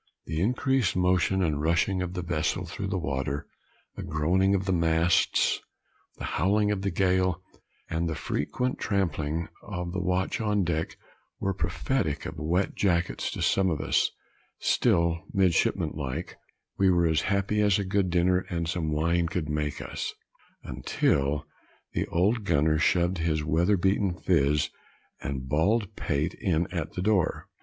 The increased motion and rushing of the vessel through the water, the groaning of the masts, the howling of the gale, and the frequent trampling of the watch on deck, were prophetic of wet jackets to some of us; still, midshipman like, we were as happy as a good dinner and some wine could make us, until the old gunner shoved his weather beaten phiz and bald pate in at the door.